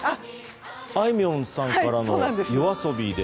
あいみょんさんからのＹＯＡＳＯＢＩで。